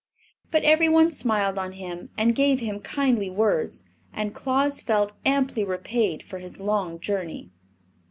But every one smiled on him and gave him kindly words, and Claus felt amply repaid for his long journey.